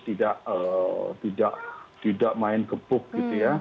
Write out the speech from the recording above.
tidak main gebuk gitu ya